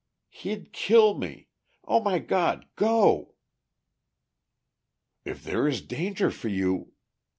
"He'd kill me. ... Oh, my God, go!" "If there is danger for you..."